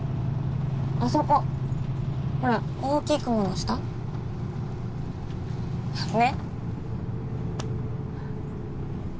あそこほら大きい雲の下ねっ？